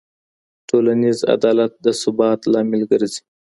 ټولنیز عدالت د ثبات لامل ګرځي.